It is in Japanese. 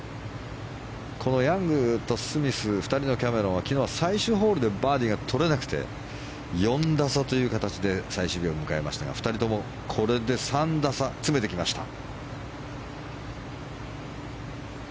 このヤングとスミス２人のキャメロンは昨日、最終ホールでバーディーが取れなくて４打差という形で最終日を迎えましたが２人ともこれで３打差詰めてきました。